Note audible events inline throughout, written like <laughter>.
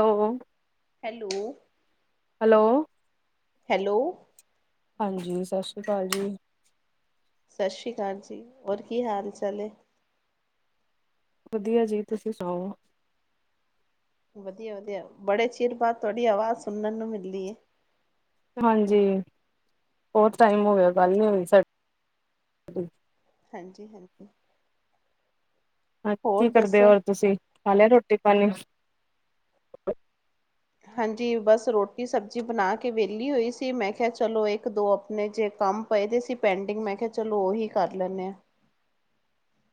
Hello hello, hello hello ਹਾਂਜੀ ਸਤਿ ਸ੍ਰੀ ਅਕਾਲ ਜੀ। ਸਤਿ ਸ਼੍ਰੀ ਅਕਾਲ ਜੀ ਹੋਰ ਕੀ ਹਾਲ ਚਾਲ ਏ? ਵਧੀਆ ਜੀ ਤੁਸੀਂ ਸੁਣਾਓ ਵਧੀਆ-ਵਧੀਆ ਬੜੇ ਚਿਰ ਬਾਅਦ ਤੁਹਾਡੀ ਆਵਾਜ਼ ਸੁਣਨ ਨੂੰ ਮਿਲੀ ਏ। ਹਾਂਜੀ, ਬਹੁਤ ਟਾਈਮ ਹੋ ਗਿਆ ਗੱਲ ਨੀ ਹੋਈ ਸਾਡੀੇ। ਹਾਂਜੀ-ਹਾਂਜੀ ਹਾਂ ਕੀ ਕਰਦੇ ਹੋ ਦੱਸੋ ਹੋਰ ਤੁਸੀਂ, ਖਾ ਲਿਆ ਰੋਟੀ ਪਾਣੀ? ਹਾਂਜੀ ਬਸ ਰੋਟੀ ਸਬਜ਼ੀ ਬਣਾ ਕੇ ਵਿਹਲੀ ਹੋਈ ਸੀ ਮੈਂ ਕਿਹਾ ਚਲੋ ਇੱਕ ਦੋ ਆਪਣੇ ਜੇ ਕੰਮ ਪਏ ਦੇ ਸੀ ਪਿੰਡਿੰਗ ਮੈਂ ਕਿਹਾ ਚਲੋ ਉਹੀ ਕਰ ਲੈਂਦੇ ਹਾਂ।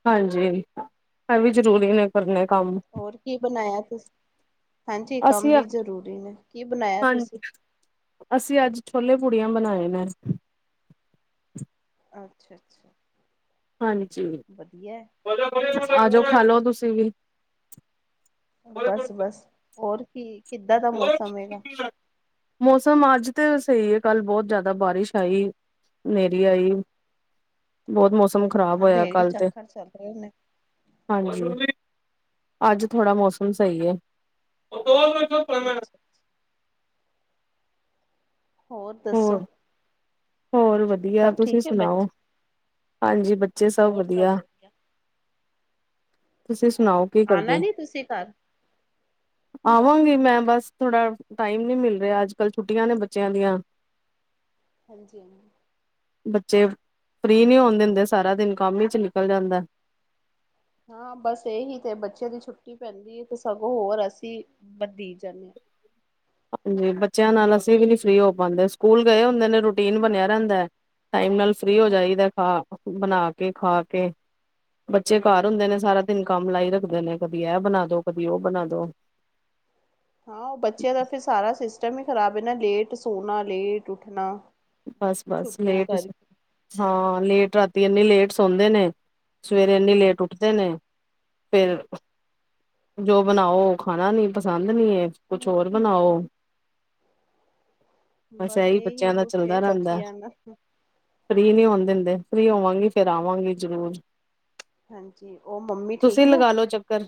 ਹਾਂਜੀ, ਇਹ ਵੀ ਜ਼ਰੂਰੀ ਨੇ ਕਰਨੇ ਕੰਮ। ਹੋਰ ਕੀ ਬਣਾਇਆ ਤੁਸੀ, ਹਾਂਜੀ ਕੰਮ ਅਸੀਂ ਵੀ ਜ਼ਰੂਰੀ ਨੇ ਕੀ ਬਣਾਇਆ ਹਾਂਜੀ ਤੁਸੀਂ? ਅਸੀਂ ਅੱਜ ਛੋਲੇ ਪੂੜੀਆਂ ਬਣਾਏ ਨੇ। ਅੱਛਾ ਅੱਛਾ ਹਾਂਜੀ, ਵਧੀਆ ਹੈ। ਆ ਜਾਓ ਖਾ ਲੋ ਤੁਸੀਂ ਵੀ। ਬਸ ਬਸ, ਹੋਰ ਕੀ ਕਿੱਦਾਂ ਦਾ ਮੌਸਮ ਹੈਗਾ? ਮੌਸਮ ਅੱਜ ਤੇ ਸਹੀ ਹੈ ਕੱਲ੍ਹ ਬਹੁਤ ਜ਼ਿਆਦਾ ਬਾਰਿਸ਼ ਆਈ। ਨੇਰੀ ਆਈ। ਬਹੁਤ ਮੌਸਮ ਹਮ ਖ਼ਰਾਬ ਹੋਇਆ ਅੰਧੇਰੀ ਕੱਲ ਤੇ, ਚੱਕਰ ਚੱਲ ਰਹੇ ਨੇ ਹਾਂਜੀ। ਅੱਜ ਥੋੜਾ ਮੌਸਮ ਸਹੀ ਹੈ। ਅੱਛਾ ਹੋਰ ਦੱਸੋ। ਹੋਰ ਵਧੀਆ, ਸਭ ਤੁਸੀਂ ਠੀਕ ਹੈ ਸੁਣਾਓ, ਬੱਚੇ ਹਾਂਜੀ ਬੱਚੇ ਸਭ ਵਧੀਆ। ਤੁਸੀਂ ਸੁਣਾਓ ਕੀ ਆਣਾ ਕਰਦੇ? ਨੀ ਤੁਸੀਂ <inaudible> ਆਵਾਂਗੀ ਮੈਂ ਬਸ ਥੋੜਾ ਟਾਈਮ ਨੀ ਮਿਲ ਰਿਹਾ ਅੱਜਕੱਲ੍ਹ ਛੁੱਟੀਆਂ ਨੇ ਬੱਚਿਆਂ ਦੀਆਂ। ਹਾਂਜੀ-ਹਾਂਜੀ ਬੱਚੇ, ਫਰੀ ਨੀ ਹੋਣ ਦਿੰਦੇ ਸਾਰਾ ਦਿਨ ਕੰਮ ਹੀ ਵਿੱਚ ਨਿਕਲ ਜਾਂਦਾ। ਹਾਂ ਬਸ ਇਹੀ ਤੇ ਬੱਚੇ ਦੀ ਛੁੱਟੀ ਪੈਂਦੀ ਹੈ ਤੇ ਸਗੋਂ ਹੋਰ ਅਸੀਂ ਬਦੀ ਜਾਂਦੇ ਹਾਂ। ਹਾਂਜੀ ਬੱਚਿਆਂ ਨਾਲ ਅਸੀਂ ਵੀ ਨੀ ਫਰੀ ਹੋ ਪਾਉਦੇ ਸਕੂਲ ਗਏ ਹੁੰਦੇ ਨੇ ਰੂਟੀਨ ਬਣਿਆ ਰਹਿੰਦਾ ਹੈ। ਟਾਈਮ ਨਾਲ ਫਰੀ ਹੋ ਹਾਂ ਜਾਈਦਾ ਖਾ ਬਣਾ ਕੇ ਖਾ ਕੇ ਬੱਚੇ ਘਰ ਹੁੰਦੇ ਹਾਂਜੀ ਨੇ ਜੀ ਸਾਰਾ ਦਿਨ। ਕੰਮ ਲਾਈ ਰੱਖਦੇ ਨੇ ਕਦੀ ਇਹ ਬਣਾ ਦੋ ਕਦੀ ਉਹ ਬਣਾ ਦੋ। ਹਾਂ, ਉਹ ਬੱਚਿਆਂ ਦਾ ਫਿਰ ਸਾਰਾ ਸਿਸਟਮ ਹੀ ਖ਼ਰਾਬ ਇਹ ਨਾ ਲੇਟ ਸੋਣਾ, ਲੇਟ ਉੱਠਣਾ। ਬਸ-ਬਸ ਛੁੱਟੀਆਂ ਲੇਟ ਹੀ ਕਰਕੇ ਹਾਂ ਲੇਟ ਰਾਤੀ ਇੰਨੀ ਲੇਟ ਸੌਦੇ ਨੇ। ਸਵੇਰੇ ਇਨੀ ਹਮ ਲੇਟ ਉੱਠਦੇ ਨੇ ਫਿਰ ਜੋ ਬਣਾਓ ਉਹ ਖਾਣਾ ਨੀ ਪਸੰਦ ਨਹੀਂ ਏ ਕੁਛ ਹੋਰ ਬਣਾਓ। ਬਸ ਇਹੀ ਕੁਛ ਹੈ ਰਲਦਾ ਰਹਿੰਦਾ ਬੱਚਿਆਂ ਨਾਲ ਫ੍ਰਰੀ ਨਹੀਂ ਹੋਣ ਦਿੰਦੇ, ਫ੍ਰਰੀ ਹੋਵਾਂਗੀ ਫੇਰ ਆਵਾਂਗੀ ਜ਼ਰੂਰ। ਹਾਂਜੀ ਉਹ ਮੰਮੀ ਤੁਸੀਂ ਲਗਾ ਲੋ ਚੱਕਰ।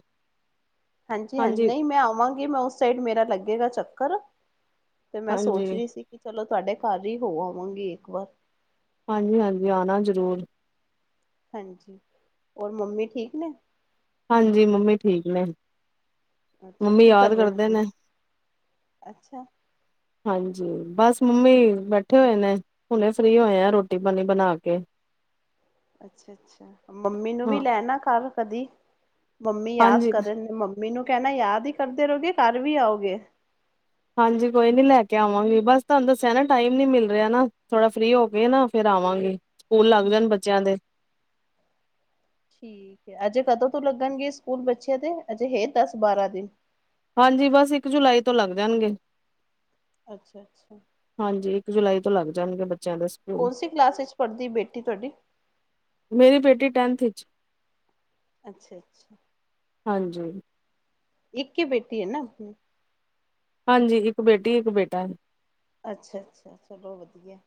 ਹਾਂਜੀ-ਹਾਂਜੀ ਹਾਂਜੀ ਨਹੀਂ ਮੈਂ ਆਵਾਂਗੀ ਮੈਂ ਉਸ ਸਾਈਡ ਮੇਰਾ ਲੱਗੇਗਾ ਚੱਕਰ। ਤੇ ਮੈਂ ਹਾਂਜੀ ਸੋਚ ਰਹੀ ਸੀ ਕਿ ਚਲੋ ਤੁਹਾਡੇ ਘਰ ਹੀ ਹੋ ਆਵਾਂਗੀ ਇੱਕ ਵਾਰ। ਹਾਂਜੀ-ਹਾਂਜੀ ਆਉਣਾ ਜ਼ਰੂਰ। ਹਾਂਜੀ, ਹੋਰ ਮੰਮੀ ਠੀਕ ਨੇ? ਹਾਂਜੀ ਮੰਮੀ ਠੀਕ ਨੇ, ਅੱਛਾ ਮੰਮੀ ਕੀ ਕਰ ਯਾਦ ਰਹੇ ਕਰਦੇ ਮੰਮੀ ਨੇ। ਅੱਛਾ ਹਾਂਜੀ, ਬਸ ਮੰਮੀ ਬੈਠੇ ਹੋਏ ਨੇ। ਹੁਣੇ ਫ੍ਰਰੀ ਹੋਏ ਆ ਰੋਟੀ- ਪਾਣੀ ਬਣਾ ਕੇ। ਅੱਛਾ-ਅੱਛਾ, ਮੰਮੀ ਨੂੰ ਵੀ ਹਾਂ ਲੈ ਨਾ ਘਰ ਕਦੀ ਮੰਮੀ ਯਾਦ ਹਾਂਜੀ ਕਰਨ ਨੇ ਮੰਮੀ ਮੈਨੂੰ ਕਹਿਣਾ ਯਾਦ ਹੀ ਕਰਦੇ ਰਹੋਗੇ ਘਰ ਵੀ ਆਓਗੇ। ਹਾਂਜੀ, ਕੋਈ ਨੀ ਲੈ ਕੇ ਆਵਾਂਗੇ ਬਸ ਤੁਹਾਨੂੰ ਦੱਸਿਆ ਨਾ ਟਾਈਮ ਨੀ ਮਿਲ ਰਿਹਾ ਨਾ ਥੋੜਾ ਫਰੀ ਹੋ ਕੇ ਨਾ ਫੇਿਰ ਆਵਾਂਗੇ। ਸਕੂਲ ਲੱਗ ਜਾਣ ਹਮ ਬੱਚਿਆਂ ਦੇ। ਠੀਕ ਹੈ, ਅਜੇ ਕਦੋਂ ਤੋਂ ਲੱਗਣਗੇ ਸਕੂਲ ਬੱਚਿਆਂ ਦੇ? ਅਜੇ ਹੇ ਦਸ-ਬਾਰਾਂ ਦਿਨ। ਹਾਂਜੀ, ਬਸ ਇੱਕ ਜੁਲਾਈ ਤੋਂ ਲੱਗ ਜਾਣਗੇ। ਅੱਛਾ-ਅੱਛਾ। ਹਾਂਜੀ, ਇੱਕ ਜੁਲਾਈ ਤੋਂ ਲੱਗ ਜਾਣਗੇ ਬੱਚਿਆਂ ਦੇ ਸ ਕੌਣਸੀ ਕਲਾਸ ਵਿੱਚ ਪੜ੍ਹਦੀ ਬੇਟੀ ਤੁਹਾਡੀ? ਮੇਰੀ ਬੇਟੀ ਟੈਨਥ ਚ। ਅੱਛਾ-ਅੱਛਾ। ਹਾਂਜੀ। ਇੱਕ ਹੀ ਬੇਟੀ ਹੈ ਨਾ। ਹਾਂਜੀ ਇੱਕ ਬੇਟੀ, ਇੱਕ ਬੇਟਾ ਹੈ। ਅੱਛਾ- ਅੱਛਾ, ਚਲੋ ਵਧੀਆ।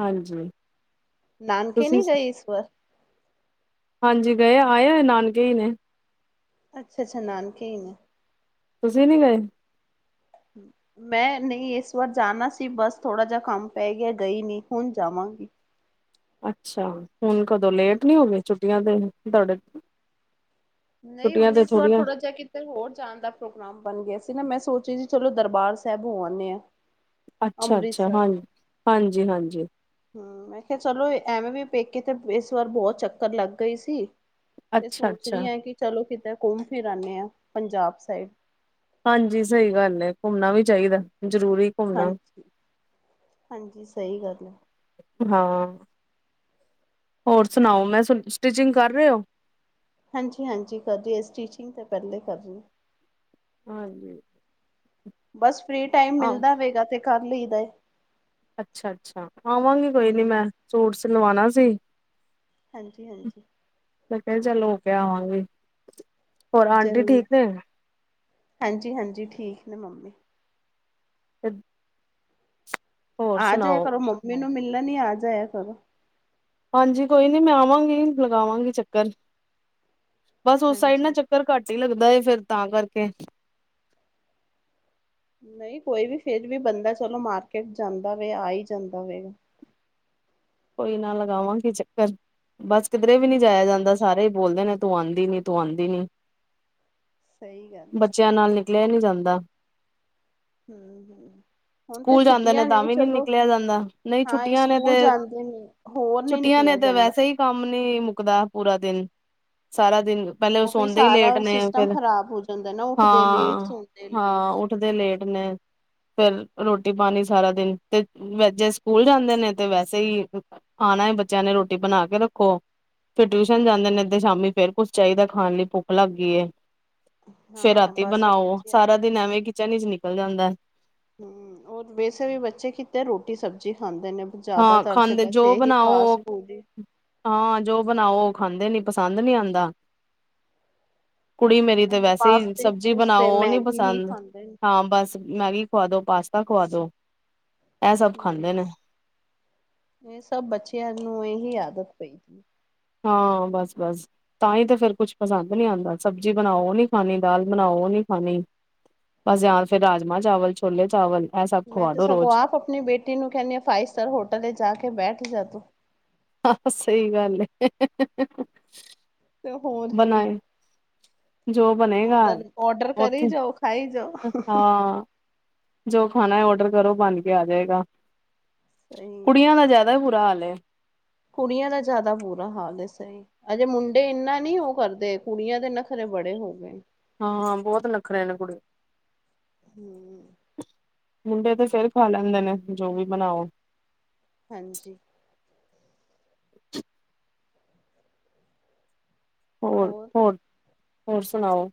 ਹਾਂਜੀ। ਨਾਨਕੇ ਤੁਸੀਂ ਨੀ ਗਏ ਇਸ ਵਾਰ। ਹਾਂਜੀ, ਗਏ ਆਏ ਨਾਨਕੇ ਹੀ ਨੇ। ਅੱਛਾ-ਅੱਛਾ, ਨਾਨਕੇ ਹੀ ਨੇ। ਤੁਸੀਂ ਨੀ ਗਏ? ਹੂੰ-ਹੂੰ। ਮੈਂ ਨਹੀਂ ਇਸ ਵਾਰ ਜਾਣਾ ਸੀ ਬਸ ਥੋੜ੍ਹਾ ਜਿਹਾ ਕੰਮ ਪੈ ਗਿਆ ਗਈ ਨਹੀਂ ਹੁਣ ਜਾਵਾਂਗੀ। ਅੱਛਾ, ਹੁਣ ਕਦੋਂ ਲੇਟ ਨੀ ਹੋ ਗਈ ਛੁੱਟੀਆਂ ਤੇ ਤੁਹਾਡੇ ਨਹੀਂ, ਛੁੱਟੀਆਂ ਹੁਣ ਤੇ ਇਸ ਵਾਰ ਥੋੜੀਆਂ ਥੋੜਾ ਜਿਹਾ ਕਿ ਹੋਰ ਜਾਣ ਦਾ ਪ੍ਰੋਗਰਾਮ ਬਣ ਗਿਆ ਸੀ ਨਾ ਮੈਂ ਸੋਚਿਆ ਸੀ ਚਲੋ ਦਰਬਾਰ ਸਾਹਿਬ ਹੋ ਆਨੇਆ। ਅੱਛਾ-ਅੱਛਾ, ਹਾਂ, ਹਾਂਜੀ-ਹਾਂਜੀ। ਹੂੰ, ਮੈਂ ਕਿਹਾ ਚਲੋ ਐਵੇਂ ਵੀ ਪੇਕੇ ਤੇ ਇਸ ਵਾਰ ਬਹੁਤ ਚੱਕਰ ਲੱਗ ਗਈ ਸੀ। ਤੇ ਅੱਛਾ ਸੋਚ ਅੱਛਾ ਰਹੀ ਆ ਕਿ ਚਲੋ ਕਿਤੇ ਘੁੰਮ-ਫਿਰ ਆਦੇ ਆ ਪੰਜਾਬ ਸਾਈਡ। ਹਾਂਜੀ, ਸਹੀ ਗੱਲ ਹੈ ਘੁੰਮਣਾ ਵੀ ਚਾਹੀਦਾ ਜ਼ਰੂਰੀ ਘੁੰਮਣਾ ਹਾਂਜੀ-ਹਾਂਜੀ, ਸਹੀ ਗੱਲ ਹੈ। ਹਾਂ। ਹੋਰ ਸੁਣਾਓ, ਮੈਂ ਸਟਿਚਿੰਗ ਕਰ ਰਹੇ ਹੋ? ਹਾਂਜੀ-ਹਾਂਜੀ, ਕਰਦੀ ਏ। ਸਟੀਚਿੰਗ ਤਾਂ ਪਹਿਲੇ ਕਰਦੀ। ਹਾਂਜੀ। ਬਸ ਫ੍ਰੀ ਟਾਈਮ ਆਹ ਮਿਲਦਾ ਵੇਗਾ, ਤੇ ਕਰ ਲਈ ਦਾ ਏ। ਅੱਛਾ-ਅੱਛਾ, ਆਵਾਂਗੀ ਕੋਈ ਨੀ ਹੂੰ ਮੈਂ, ਸੂਟ ਸਿਲਵਾਣਾ ਸੀ ਹਾਂਜੀ-ਹਾਂਜੀ। ਮੈ ਕਿਹਾ ਚੱਲ ਹੋ ਕੇ ਆਵਾਂਗੇ। ਜ਼ਰੂਰ ਹਾਂਜੀ-ਹਾਂਜੀ ਠੀਕ ਨੇ ਮੰਮੀ। ਪੇਬ <unintelligible> ਆ ਜਾਇਆ ਕਰੋ ਮੰਮੀ ਨੂੰ ਮਿਲਣ ਹੀ ਆ ਜਾਇਆ ਕਰੋ। ਹਾਂਜੀ, ਕੋਈ ਨੀ ਮੈਂ ਆਵਾਂਗੀ ਲਗਾਵਾਂਗੀ ਚੱਕਰ ਬਸ ਉਸ ਸਾਈਡ ਨਾ ਹਾਂਜੀ ਚੱਕ ਚੱਕਰ ਘੱਟ ਹੀ ਲੱਗਦਾ ਫਿਰ ਤਾਂ ਕਰਕੇ। ਨਹੀਂ, ਕੋਈ ਵੀ ਫਿਰ ਵੀ ਬੰਦਾ ਚਲੋ ਮਾਰਕੀਟ ਜਾਂਦਾ ਵੇ ਆ ਜਾਂਦਾ ਵੇ। ਕੋਈ ਨਾ ਲਗਾਵਾਂਗੀ ਚੱਕਰ ਬਸ ਕਿਧਰੇ ਵੀ ਨੀ ਜਾਇਆ ਹਾਂਜੀ ਜਾਂਦਾ। ਸਾਰੇ ਹੀ ਬੋਲਦੇ ਨੇ ਤੂੰ ਆਦੀ ਨੀ, ਤੂੰ ਆਦੀ ਨੀ ਸਹੀ ਗੱਲ ਹੈ ਬੱਚਿਆਂ ਨਾਲ ਨ ਲੈ ਨੀ ਜਾਂਦਾ। ਹੂੰ- ਹੂੰ। ਹੁਣ ਤੇ ਸਕੂਲ ਜਾਂਦੇ ਛੁੱਟੀਆਂ ਤਾਂ ਨੇ ਵੀ ਨੀ ਚਲੋ, ਨਿਕਲਿਆ ਜਾਂਦਾ ਨਹੀਂ ਹਾਂ, ਇਹ ਛੁੱਟੀਆਂ ਨੇ ਤੇ ਸਕੂਲ ਜਾਂਦੇ ਨੇ। ਹੋਰ ਨਹੀਂ ਛੁੱਟੀਆਂ ਨੇ ਨਿਕਲਿਆ ਤੇ ਜਾਂਦਾ। ਵੈਸੇ ਹੀ ਕੰਮ ਨੀ ਮੁੱਕਦਾ ਪੂਰਾ ਦਿਨ, ਸਾਰਾ ਦਿਨ ਪਹਿਲੇ ਉਹ ਫਿਰ ਸੌਂਦੇ ਹੀ ਲੇਟ ਸਾਰਾ ਨੇ, ਸਿਸਟਮ ਫਿਰ ਖ਼ਰਾਬ ਹੋ ਜਾਂਦਾ ਨਾ ਉੱਠਦੇ ਲੇਟ ਹਾਂ, ਸੌਦੇ ਲੇਟ ਹਾਂ ਦੇ ਲੇਟ ਨੇ। ਫਿਰ ਰ੍ਹੋਟੀ-ਪਾਣੀ ਸਾਰਾ ਦਿਨ, ਤੇ ਵਿੱਚ ਜੇ ਸਕੂਲ ਜਾਂਦੇ ਨੇ, ਤੇ ਵੈਸੇ ਹੀ ਆਣਾ ਏ ਬੱਚਿਆਂ ਨੇ, ਰੋਟੀ ਬਣਾਕੇ ਰੱਖੋ। ਫਿਰ ਟਿਊਸ਼ਨ ਜਾਂਦੇ ਨੇ, ਤੇ ਸ਼ਾਮੀ ਫਿਰ ਕੁਛ ਚਾਹੀਦਾ ਖਾਣ ਲਈ ਭੁੱਖ ਲੱਗ ਗਈ ਏ। ਫਿਰ ਹਾਂ ਰ੍ਹਾਤੀ ਬਸ ਉਹ ਬਣਾਓ, ਬੱਚੇ ਸਾਰਾ ਦਿਨ ਐਵੇਂ ਕਿਚਨ'ਚ ਨਿਕਲ ਜਾਂਦਾ। ਹੂੰ, ਔਰ ਵੈਸੇ ਵੀ ਬੱਚੇ ਕਿਤੇ ਰੋਟੀ, ਸਬਜ਼ੀ ਖਾਂਦੇ ਨੇ। ਹਾਂ ਜ਼ਿਆਦਾਤਰ ਤੇ ਖਾਂਦੇ ਬਸ ਜੋ ਇਹੀ ਬਣਾਓ ਫਾਸ-ਫੂਡ ਹੀ। ਹਾਂ, ਜੋ ਬਣਾਓ ਉਹ ਖਾਂਦੇ ਨੀ, ਪਸੰਦ ਨੀ ਆਂਦਾ। ਕੁੜੀ ਮੇਰੀ ਤੇ ਉਹ ਵੈਸੇ ਹੀ ਪਾਸਤੇ ਸਬਜ਼ੀ ਬਣਾਉ, ਪੂਸਤੇ ਉਹ ਨੀ ਮੈਗੀ ਹੀ ਪਸੰਦ ਖਾਂਦੇ ਨੇ ਹਾਂ, ਬਸ। ਮੈਗੀ ਖਵਾ ਦੋ, ਪਾਸਤਾ ਖਵਾ ਦੋ, ਐ ਸਭ ਖਾਂਦੇ ਨੇ। ਹੂੰ ਇਹ ਸਭ ਬੱਚਿਆਂ ਨੂੰ, ਇਹੀ ਆਦਤ ਪਈ। ਹਾਂ, ਬਸ-ਬਸ। ਤਾਂ ਹੀ, ਤਾਂ ਫੇਰ ਕੁਛ ਪਸੰਦ ਨੀ ਆਂਦਾ, ਸਬਜ਼ੀ ਬਣਾਓ ਓ ਨੀ ਖਾਣੀ, ਦਾਲ ਬਣਾਓ ਨੀ ਖਾਣੀ ਬਸ ਯਾ ਫਿਰ ਰਾਜਮਾਂ-ਚਾਵਲ, ਛੋਲੇ-ਚਾਵਲ। ਮੈਂ ਤੇ ਸਗੋਂ ਆਪ ਬੇਟੀ ਨੂੰ ਕਹਿੰਨੀ ਆਂ, ਫਾਈਵ-ਸਟਾਰ ਹੋਟਲ ਤੇ ਜਾਕੇ ਬੈਠ ਜਾ ਤੂ। ਹਾਂ, ਸਹੀ ਗੱਲ ਏ‌। ਤੇ ਹੋਰ ਕੀ, ਜੋ ਬਣੇਗਾ ਉੱਧਰ ਔਡਰ ਕਰੀ ਉੱਥੇ ਜਾਓ, ਖਾਈ ਜਾਓ। ਹਾਂ। ਜੋ ਖਾਣਾ ਹੈ, ਔਡਰ ਕਰੋ ਬੰਨਕੇ ਆ ਜਾਏਗਾ। ਸਹੀ ਹੈ ਕੁੜੀਆਂ ਦਾ ਜ਼ਿਆਦਾ ਬੁਰਾ ਹਾਲ ਏ। ਕੁੜੀਆਂ ਦਾ ਜ਼ਿਆਦਾ ਬੁਰਾ ਹਾਲ ਹੈ, ਸਹੀ ਅਜੇ ਮੁੰਡੇ ਇੰਨਾ ਨਹੀਂ ਉਹ ਕਰਦੇ, ਕੁੜੀਆਂ ਦੇ ਨਖਰੇ ਬੜੇ ਹੋ ਗਏ। ਹਾਂ, ਬਹੁਤ ਨੱਖਰੇ ਨੇ ਕੁੜੀ ਹੂੰ ਮੁੰਡੇ ਤੇ ਫੇਰ ਖਾ ਲੈਂਦੇ ਨੇ, ਜੋ ਵੀ ਬਣਾਓ। ਹਾਂਜੀ। ਹੋਰ, ਹੋਰ, ਹੋਰ ਸੁਣਾਓ?